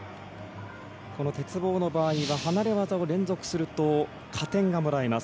この鉄棒の場合は離れ技を連続すると加点がもらえます。